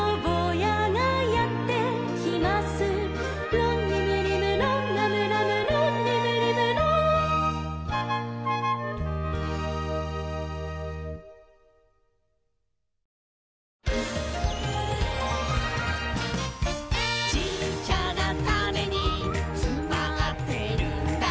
「ロンリムリムロンラムラムロンリムリムロン」「ちっちゃなタネにつまってるんだ」